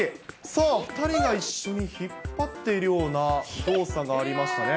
さあ、２人が一緒に引っ張っているような動作がありましたね。